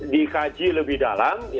dikaji lebih dalam